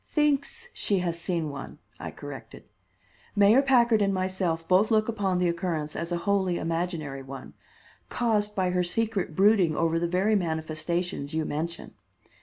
"Thinks she has seen one," I corrected. "Mayor Packard and myself both look upon the occurrence as a wholly imaginary one, caused by her secret brooding over the very manifestations you mention.